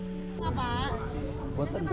inilah semangat gotong gotong yang menarik